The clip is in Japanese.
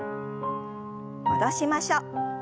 戻しましょう。